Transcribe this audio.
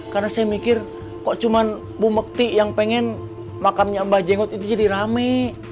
karena saya mikir kok cuma bu mekti yang pengen makamnya mbak jengot itu jadi rame